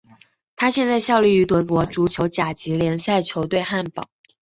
他现在效力于德国足球甲级联赛球队汉堡。